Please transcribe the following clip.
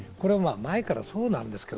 前からそうなんですけど、